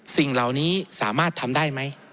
สิ่งเหล่านี้สามารถทำได้ไหม